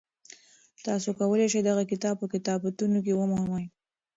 تاسو کولی شئ دغه کتاب په کتابتون کي ومومئ.